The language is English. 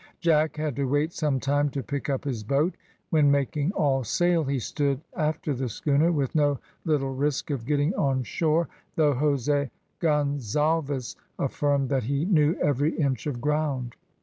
Jack had to wait some time to pick up his boat, when making all sail, he stood after the schooner, with no little risk of getting on shore, though Jose Gonzalves affirmed that he knew every inch of ground.